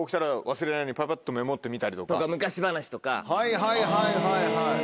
はいはいはいはい。